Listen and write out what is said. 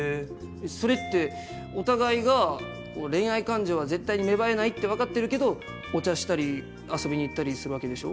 それってお互いが恋愛感情は絶対に芽生えないって分かってるけどお茶したり遊びに行ったりするわけでしょ？